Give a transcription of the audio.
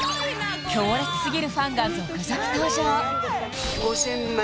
強烈すぎるファンが続々登場５０００万